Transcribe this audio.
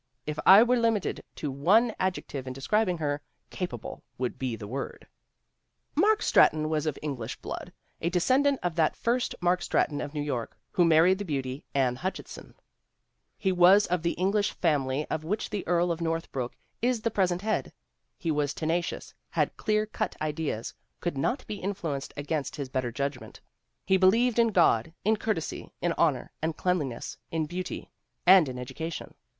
If I were limited to one ad jective in describing her, "capable" would be the word/ " Mark Stratton was of English blood, a descendant of that first Mark Stratton of New York, who married the beauty, Anne Hutchinson. He was of the English family of which the Earl of Northbrooke is the pres ent head. He was tenacious, had clear cut ideas, could not be influenced against his better judgment. "He believed in God, in courtesy, in honor, and cleanliness, in beauty, and in education.